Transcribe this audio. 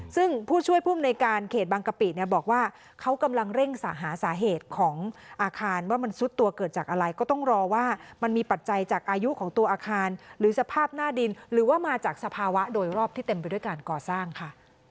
ซึ่งผู้ช่วยภูมิในการเขตบางกะปิเนี่ยบอกว่าเขากำลังเร่งหาสาเหตุของอาคารว่ามันซุดตัวเกิดจากอะไรก็ต้องรอว่ามันมีปัจจัยจากอายุของตัวอาคารหรือสภาพหน้าดินหรือว่ามาจากสภาวะโดยรอบที่เต็มไปด้วยการก่อสร้างค่ะ